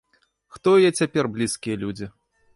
Хто ў яе цяпер блізкія людзі?